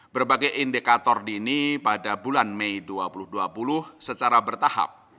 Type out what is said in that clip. berbagai indikator dini pada bulan mei dua ribu dua puluh secara bertahap